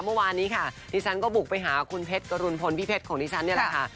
เมื่อวานนี้ค่ะดิฉันก็บุกไปหาคุณเพชรกรุณพลพี่เพชรของดิฉันนี่แหละค่ะ